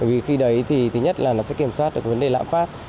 bởi vì khi đấy thì thứ nhất là nó sẽ kiểm soát được vấn đề lãm phát